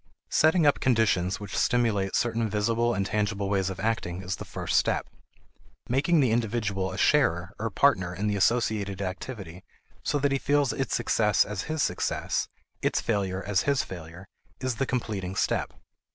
Setting up conditions which stimulate certain visible and tangible ways of acting is the first step. Making the individual a sharer or partner in the associated activity so that he feels its success as his success, its failure as his failure, is the completing step.